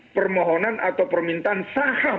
permohonan atau permintaan saham